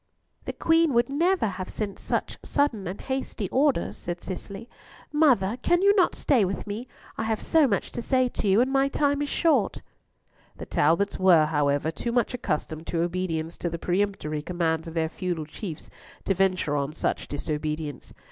"The Queen would never have sent such sudden and hasty orders," said Cicely. "Mother, can you not stay with me?—I have so much to say to you, and my time is short." The Talbots were, however, too much accustomed to obedience to the peremptory commands of their feudal chiefs to venture on such disobedience.